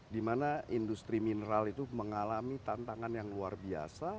dimana industri mineral itu mengalami tantangan yang luar biasa